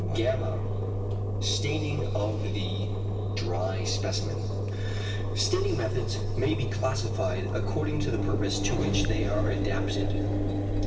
[gamma]. Staining of the dry specimen. Staining methods may be classified according to the purpose to which they are adapted.